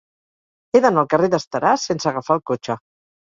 He d'anar al carrer d'Esteràs sense agafar el cotxe.